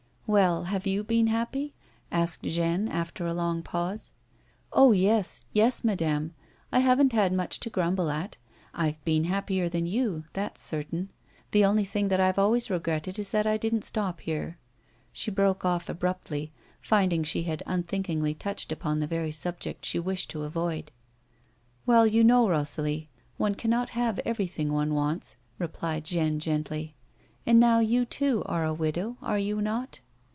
" Well, have you been happy ?" asked Jeanne after a long pause. " Oh yes — yes, madame, I haven't had much to grumble at ; I've been happier than you — that's certain. The only thing that I've always regretted is that I didn't stop here —" She broke off abruptly, finding she had unthinkingly touched upon the very subject she wished to avoid. "Well you know, Rosalie, one cannot have everything one wants," replied Jeanne gently, " and now you too are a widow, are you not?"